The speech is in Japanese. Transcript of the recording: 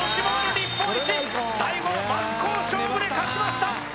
日本一最後は真っ向勝負で勝ちました